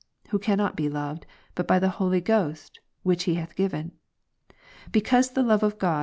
Who cannot be loved, but by the Holy Ghost which He hath given. Because the love of God Rom.